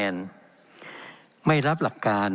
เป็นของสมาชิกสภาพภูมิแทนรัฐรนดร